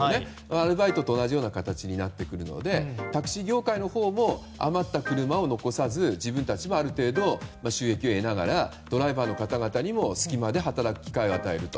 アルバイトと同じような形になってくるのでタクシー業界のほうも余った車を残さず自分たちはある程度、収益を得ながらドライバーの方々にも隙間で働く機会を与えると。